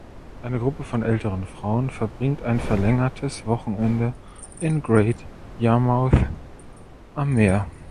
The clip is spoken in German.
Eine Gruppe von älteren Frauen verbringt ein verlängertes Wochenende in Great Yarmouth am Meer.